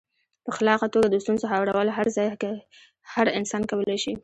په خلاقه توګه د ستونزو هوارول هر ځای کې هر انسان کولای شي.